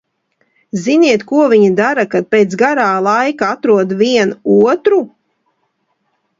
Ziniet, ko viņi dara, kad pēc garā laika atrod vien otru?